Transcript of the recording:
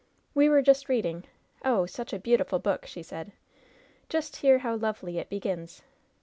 ^^We were reading — oh ! such a beautiful book 1" she said. "Just hear how lovely it, begins!"